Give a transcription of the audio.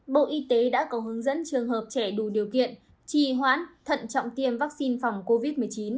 bộ y tế đã có hướng dẫn trường hợp trẻ đủ điều kiện trì hoãn thận trọng tiêm vaccine phòng covid một mươi chín